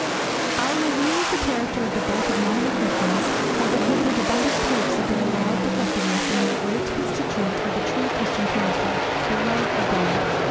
Our review of the character of the bulk of nominal Christians has exhibited abundant proofs of their allowed defectiveness in that great constituent of the true Christian character, the love of God.